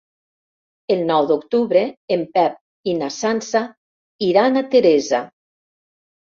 El nou d'octubre en Pep i na Sança iran a Teresa.